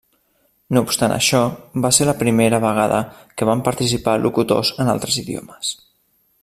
No obstant això, va ser la primera vegada que van participar locutors en altres idiomes.